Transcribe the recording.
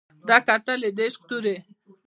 ده کتلى د عشق تورى